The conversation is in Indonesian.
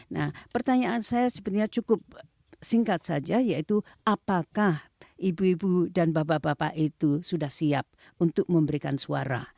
nah pertanyaan saya sebenarnya cukup singkat saja yaitu apakah ibu ibu dan bapak bapak itu sudah siap untuk memberikan suara